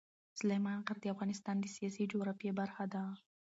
سلیمان غر د افغانستان د سیاسي جغرافیه برخه ده.